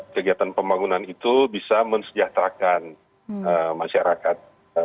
kegiatan pembangunan itu bisa mensejahterakan masyarakat